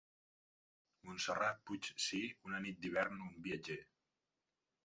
Montserrat Puig Si una nit d'hivern un viatger.